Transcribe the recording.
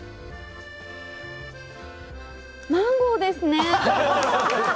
マンゴーですね！